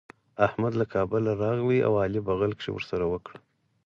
احمد له کابله راغی او علي بغل کښي ورسره وکړه.